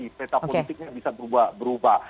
teta politiknya bisa berubah